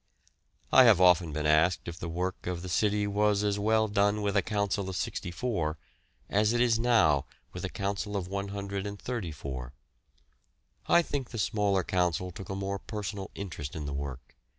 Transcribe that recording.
I have often been asked if the work of the city was as well done with a Council of 64 as it is now with a Council of 134. I think the smaller Council took a more personal interest in the work.